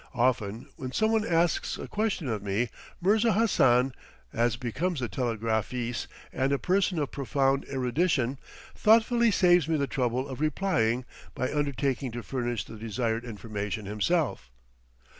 Often, when some one asks a question of me, Mirza Hassan, as becomes a telegraphies, and a person of profound erudition, thoughtfully saves me the trouble of replying by undertaking to furnish the desired information himself.